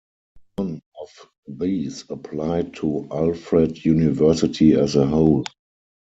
None of these applied to Alfred University as a whole.